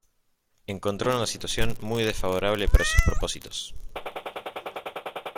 Encontró una situación muy desfavorable para sus propósitos.